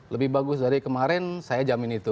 lebih bagus dari kemarin saya jamin itu